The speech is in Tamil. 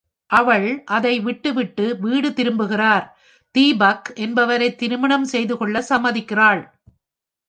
அவள் அதை விட்டுவிட்டு, வீடு திரும்புகிறார், தீபக் என்பவரை திருமணம் செய்து கொள்ள சம்மதிக்கிறாள்.